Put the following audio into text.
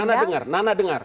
oke nana nana dengar